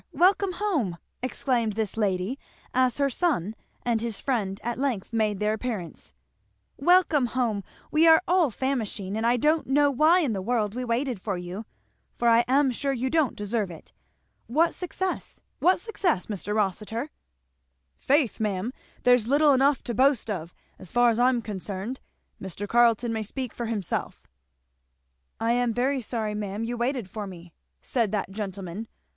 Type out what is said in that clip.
Welcome home," exclaimed this lady, as her son and his friend at length made their appearance; "Welcome home we are all famishing; and I don't know why in the world we waited for you, for I am sure you don't deserve it. What success? What success, Mr. Rossitur?" "'Faith ma'am, there's little enough to boast of, as far as I am concerned. Mr. Carleton may speak for himself." "I am very sorry, ma'am, you waited for me," said that gentleman.